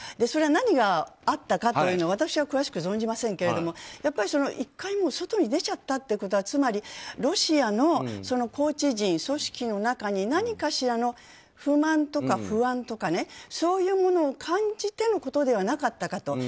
それは何があったかというのは私は詳しくは存じませんけどやっぱり、１回外に出ちゃったということはつまりロシアのコーチ陣、組織の中に何かしらの不満とか不安とかそういうものを感じてのことではなかったかと。